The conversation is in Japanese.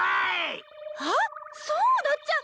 あっそうだっちゃ！